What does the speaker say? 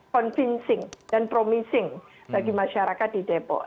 convincing dan promising bagi masyarakat di depok